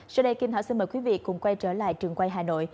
sau đây kim thảo xin mời quý vị cùng quay trở lại trường quay hà nội